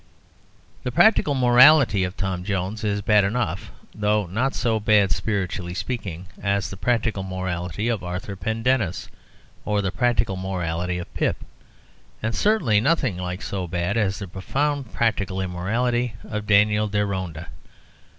The practical morality of Tom Jones is bad, though not so bad, spiritually speaking, as the practical morality of Arthur Pendennis or the practical morality of Pip, and certainly nothing like so bad as the profound practical immorality of Daniel Deronda.